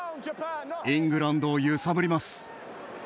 イングランドを揺さぶります。